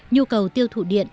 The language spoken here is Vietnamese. nhu cầu tiêu thụ điện